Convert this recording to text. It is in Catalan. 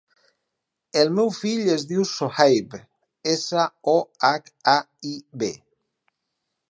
El meu fill es diu Sohaib: essa, o, hac, a, i, be.